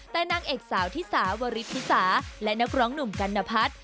แต่นางเอกสาวที่สาวริธิสาและนักร้องหนุ่มกัณพัฒน์